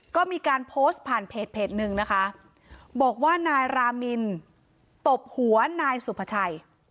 ก็มีการโพสต์ผ่านเพจหนึ่งนะคะบอกว่านายรามินตบหัวนายสุภาชัย